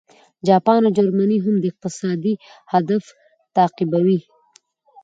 جاپان او جرمني هم دا اقتصادي هدف تعقیبوي